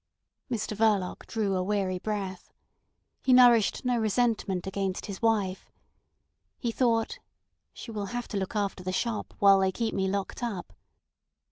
Mr Verloc drew a weary breath. He nourished no resentment against his wife. He thought: She will have to look after the shop while they keep me locked up.